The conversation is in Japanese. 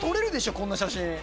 こんな写真！